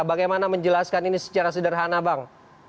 bagaimana menjelaskan ini secara sederhana bang